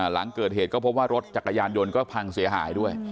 หลังเกิดเหตุก็พบว่ารถจักรยานยนต์ก็พังเสียหายด้วย